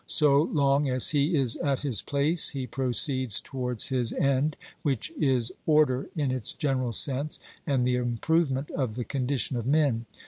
So long as he is at his place he proceeds towards his end, which is order in its general sense and the improvement of the condition of men.